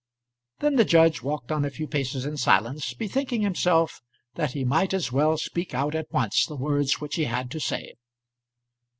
Then the judge walked on a few paces in silence, bethinking himself that he might as well speak out at once the words which he had to say.